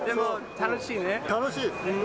楽しい？